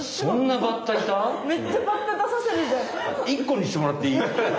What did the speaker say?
１こにしてもらっていい？